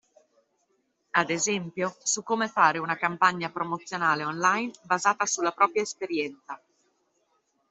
Ad esempio, su come fare una campagna promozionale online basata sulla propria esperienza